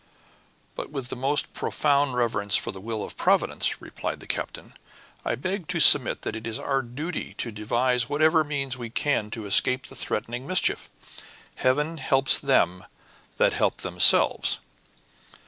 "But with the most profound reverence for the will of Providence," replied the captain, "I beg to submit that it is our duty to devise whatever means we can to escape the threatening mischief. Heaven helps them that help themselves."